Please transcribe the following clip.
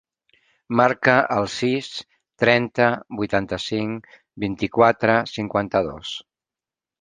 Marca el sis, trenta, vuitanta-cinc, vint-i-quatre, cinquanta-dos.